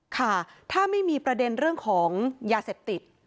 ค่ะถ้าไม่มีประเด็นเรื่องของยาเสพติด